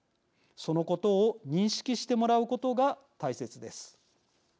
そのことを認識してもらうことが大切です。